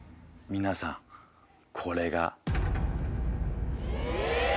皆さんこれが。え！